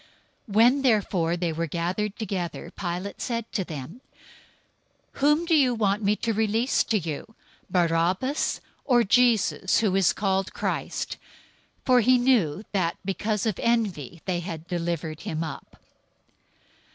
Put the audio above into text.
027:017 When therefore they were gathered together, Pilate said to them, "Whom do you want me to release to you? Barabbas, or Jesus, who is called Christ?" 027:018 For he knew that because of envy they had delivered him up.